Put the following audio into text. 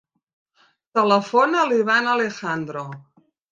Telefona a l'Ivan Alejandro.